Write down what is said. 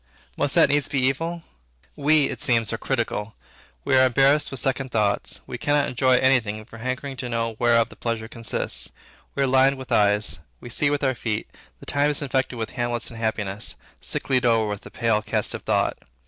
Must that needs be evil? We, it seems, are critical; we are embarrassed with second thoughts; we cannot enjoy any thing for hankering to know whereof the pleasure consists; we are lined with eyes; we see with our feet; the time is infected with Hamlet's unhappiness, "Sicklied o'er with the pale cast of thought.